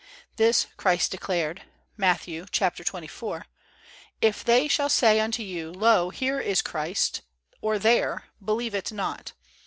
This Christ declared, Matthew xxiv: "If they shall say unto you: Lo, here is Christ, or there, believe it not.